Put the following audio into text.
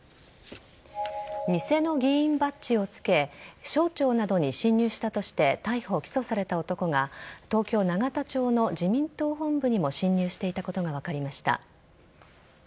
偽の議員バッジを着け省庁などに侵入したとして逮捕、起訴された男が東京・永田町の自民党本部にも侵入していたことが分かりました。